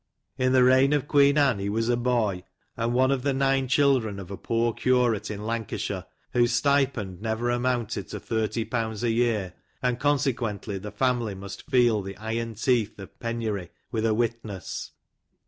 ;:;* In the reign of Queen Anne he was a boy, and one of the nine children of a poor curate in Lancashire, whose stipend never amounted to thirty pounds a year, and consequently the family must feel the iron teeth of penury with a wit ness.